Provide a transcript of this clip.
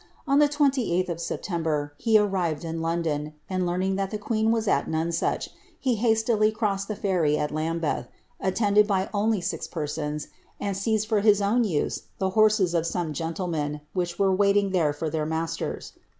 On the 38th of September, he arrived in London, and learning that the queen was at Nonsuch, he hastily crossed the ferry at Lambeth, attended by only six persons, and seized for his own use the horses of some gentle men, which were waiting there for their masters.